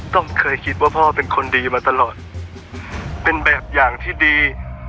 ต้องเคยคิดว่าพ่อเป็นคนดีมาตลอดเป็นแบบอย่างที่ดี